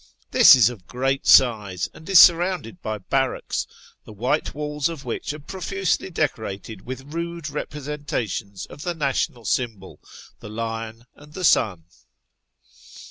This is of great size, and is surrounded by barracks, the white walls of which are profusely decorated with rude representations of the national symbol, the lion and the sun.